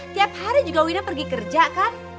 tiap hari juga wida pergi kerja kan